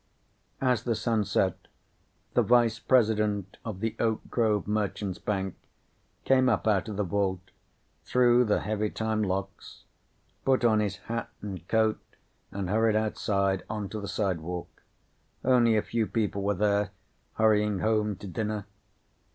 As the sun set, the vice president of the Oak Grove Merchants' Bank came up out of the vault, threw the heavy time locks, put on his hat and coat, and hurried outside onto the sidewalk. Only a few people were there, hurrying home to dinner.